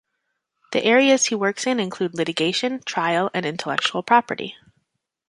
The areas he works in include litigation, trial, and intellectual property.